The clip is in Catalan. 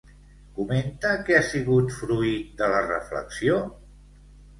Comenta que ha sigut fruit de la reflexió?